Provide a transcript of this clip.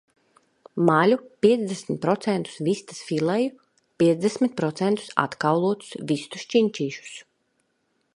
Maļu piecdesmit procentus vistas fileju, piecdesmit procentus atkaulotus vistu šķiņķīšus.